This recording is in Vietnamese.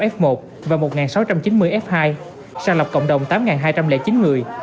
ba trăm bảy mươi năm f một và một sáu trăm chín mươi f hai sàng lọc cộng đồng tám hai trăm linh chín người